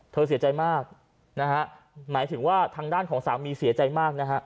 เสียใจมากนะฮะหมายถึงว่าทางด้านของสามีเสียใจมากนะฮะ